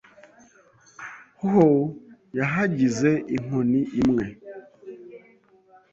Ho yahagize inkoni imwe